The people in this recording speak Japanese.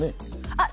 あっ、